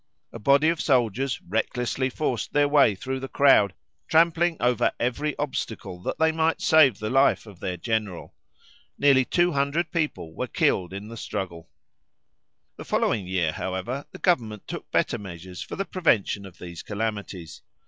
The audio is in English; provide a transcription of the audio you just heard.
A body of soldiers recklessly forced their way through the crowd, trampling over every obstacle that they might save the life of their general. Nearly two hundred people were killed in the struggle. The following year, however, the Government took better measures for the prevention of these calamities.